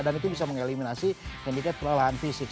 dan itu bisa mengeliminasi handicap kelelahan fisik